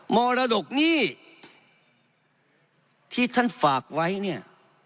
มรดกหนี้ที่ท่านฝากไว้เนี่ย